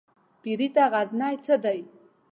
پيري ته غزنى څه دى ؟